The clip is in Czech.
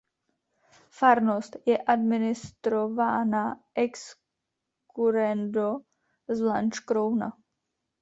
Farnost je administrována ex currendo z Lanškrouna.